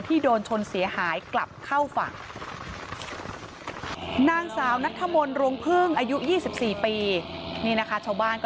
โดนชนเสียหายกลับเข้าฝั่ง